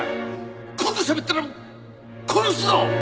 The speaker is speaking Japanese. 今度しゃべったら殺すぞ！！